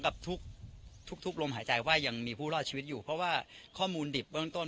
กับทุกทุกลมหายใจว่ายังมีผู้รอดชีวิตอยู่เพราะว่าข้อมูลดิบเบื้องต้น